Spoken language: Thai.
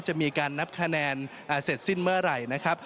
จะมีการนับคะแนนเสร็จสิ้นเมื่อไหร่นะครับ